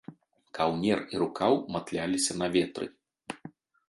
Каўнер і рукаў матляліся на ветры.